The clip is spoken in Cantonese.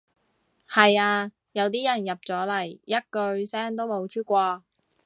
係呀，有啲人入咗嚟一句聲都冇出過